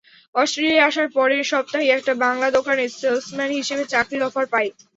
অস্ট্রেলিয়ায় আসার পরের সপ্তাহেই একটা বাংলা দোকানে সেলসম্যান হিসেবে চাকরির অফার পাই।